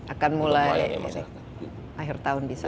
akan mulai akhir tahun bisa